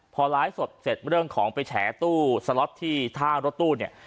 พอไลฟ์สดเสร็จเรื่องของไปแฉตู้สล็อตที่ท่ารถตู้เนี่ย